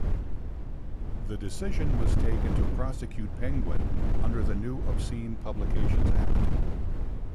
The decision was taken to prosecute Penguin under the new Obscene Publications Act.